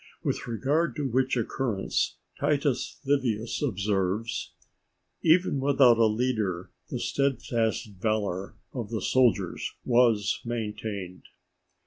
With regard to which occurrence Titus Livius observes, "_Even without a leader the steadfast valour of the soldiers was maintained.